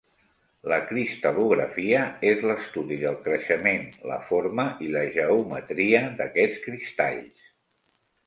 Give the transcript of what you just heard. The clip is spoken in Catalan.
La cristal·lografia és l'estudi del creixement, la forma i la geometria d'aquests cristalls.